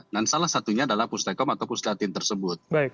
dan salah satunya adalah pustekom atau pustekatin tersebut